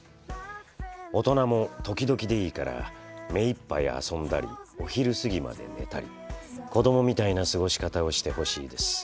「大人も時々でいいから目いっぱい遊んだりお昼過ぎまで寝たり子どもみたいな過ごし方をしてほしいです。